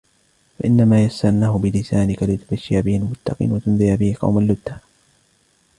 فَإِنَّمَا يَسَّرْنَاهُ بِلِسَانِكَ لِتُبَشِّرَ بِهِ الْمُتَّقِينَ وَتُنْذِرَ بِهِ قَوْمًا لُدًّا